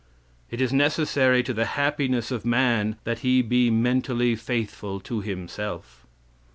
"It is necessary to the happiness of man that he be mentally faithful to himself.